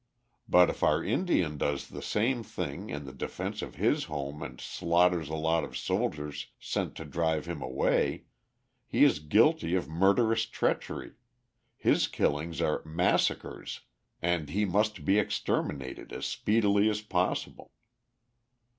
But if our Indian does the same thing in the defense of his home and slaughters a lot of soldiers sent to drive him away, he is guilty of murderous treachery; his killings are "massacres," and he must be exterminated as speedily as possible.